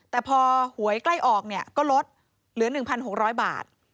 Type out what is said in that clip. แต่พอหวยใกล้ออกเนี่ยก็ลดเหลือ๑๖๐๐บาท